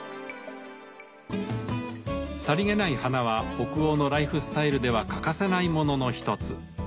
さりげない花は北欧のライフスタイルでは欠かせないものの一つ。